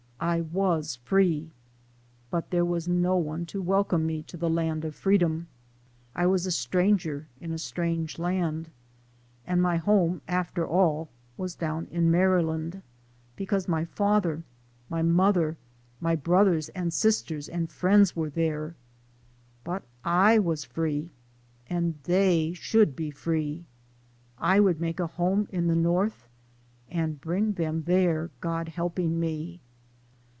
I was/ree / but there was no one to wel come me to the land of freedom. I was a stranger in a strange land ; and my home, after all, was down in Maryland; because my father, my mother, my brothers, and sisters, and friends were there. But I was free, and they should be free. I would make a home in the North and bring them there, God helping me.